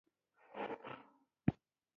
کله چې سړی لومړي ځل جرم ته مخه کوي.